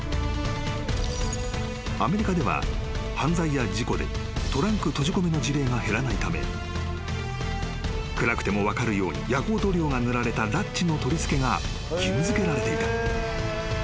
［アメリカでは犯罪や事故でトランク閉じ込めの事例が減らないため暗くても分かるように夜光塗料が塗られたラッチの取り付けが義務付けられていた］